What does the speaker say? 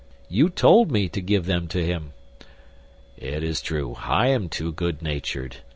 "You told me to give them to him." "It is true; I am too good natured.